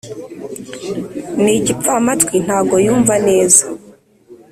ni igipfamatwi ntago yumva neza.